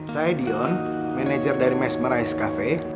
saya dion manajer dari mesmer ice cafe